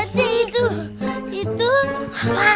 biar aja kita ketauan